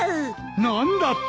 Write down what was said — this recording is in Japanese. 何だって！